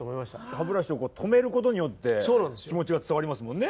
歯ブラシをこう止めることによって気持ちが伝わりますもんね。